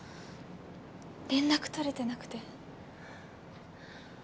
連絡取れてなくて。